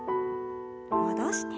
戻して。